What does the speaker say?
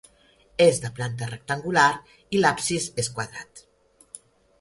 És de planta rectangular, i l'absis és quadrat.